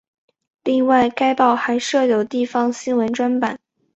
另外该报还设有地方新闻专版。